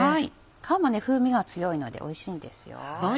皮も風味が強いのでおいしいんですよ。